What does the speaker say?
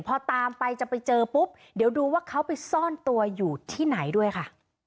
พอตามไปจะไปเจอปุ๊บเดี๋ยวดูว่าเขาไปซ่อนตัวอยู่ที่ไหนด้วยค่ะ